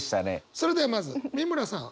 それではまず美村さん。